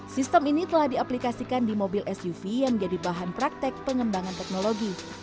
sistem ini telah diaplikasikan di mobil suv yang menjadi bahan praktek pengembangan teknologi